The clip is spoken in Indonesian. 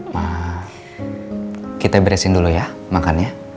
wah kita beresin dulu ya makannya